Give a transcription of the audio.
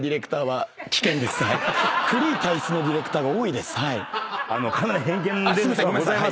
古い体質のディレクターが多いです。